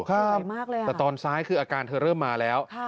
ดีมากเลยแต่ตอนซ้ายคืออาการเธอเริ่มมาแล้ว